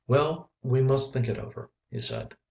"Well, we must think it over," he said.